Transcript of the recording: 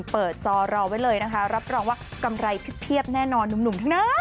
จอรอไว้เลยนะคะรับรองว่ากำไรเพียบแน่นอนหนุ่มทั้งนั้น